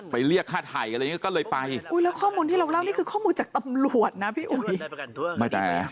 เรียกค่าไถ่อะไรอย่างเงี้ก็เลยไปอุ้ยแล้วข้อมูลที่เราเล่านี่คือข้อมูลจากตำรวจนะพี่อุ๋ยไม่แต่